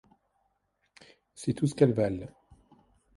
C’est tout ce qu’elles valent.